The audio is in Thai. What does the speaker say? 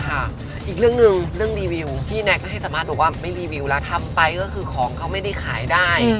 อีกเรื่องหนึ่งเรื่องรีวิวพี่แน็กก็ให้สัมภาษณ์บอกว่าไม่รีวิวแล้วทำไปก็คือของเขาไม่ได้ขายได้